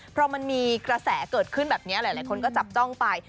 พอมันมีกระแสเกิดขึ้นแบบนี้หลายคนก็จับจ้องไป